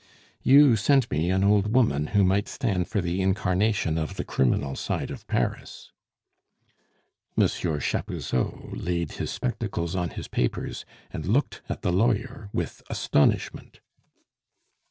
"You sent me an old woman who might stand for the incarnation of the criminal side of Paris." Monsieur Chapuzot laid his spectacles on his papers and looked at the lawyer with astonishment.